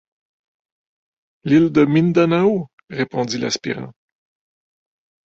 L’île de Mindanao, répondit l’aspirant